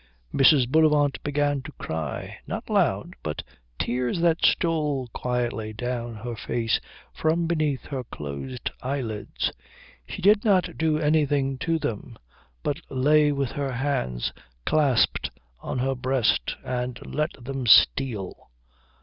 Mrs. Bullivant began to cry. Not loud, but tears that stole quietly down her face from beneath her closed eyelids. She did not do anything to them, but lay with her hands clasped on her breast and let them steal.